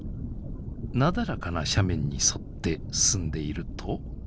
なだらかな斜面に沿って進んでいると。